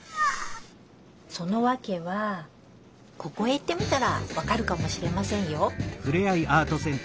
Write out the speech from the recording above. そのわけはここへ行ってみたらわかるかもしれませんよ。